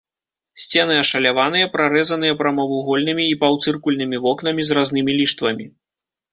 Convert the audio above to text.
Сцены ашаляваныя, прарэзаныя прамавугольнымі і паўцыркульнымі вокнамі з разнымі ліштвамі.